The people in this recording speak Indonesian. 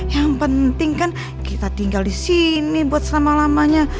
yang penting kan kita tinggal disini buat selama lamanya